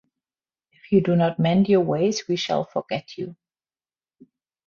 If you do not mend your ways we shall forget you.